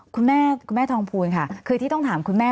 คุณแม่ทองพูนค่ะคือที่ต้องถามคุณแม่